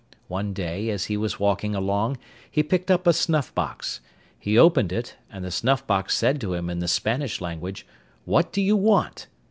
One day, as he was walking along, he picked up a snuff box. He opened it, and the snuff box said to him in the Spanish language, 'What do you want?